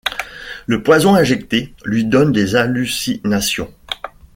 Le poison injecté lui donne des hallucinations.